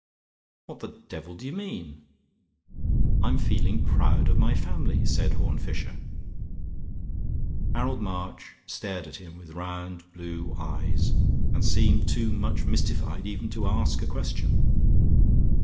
"What the devil do you mean?" "I am feeling proud of my family," said Horne Fisher. Harold March stared at him with round blue eyes, and seemed too much mystified even to ask a question.